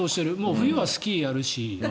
冬はスキーをやるし。